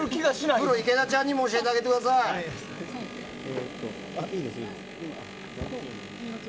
プロ、池田ちゃんにも教えてあげてくださいね。